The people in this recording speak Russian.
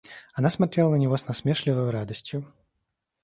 Она смотрела на него с насмешливою радостью.